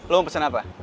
lo mau pesen apa